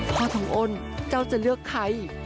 ทองอ้นเจ้าจะเลือกใคร